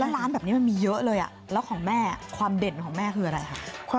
ร้านแบบนี้มันมีเยอะเลยแล้วของแม่ความเด่นของแม่คืออะไรคะ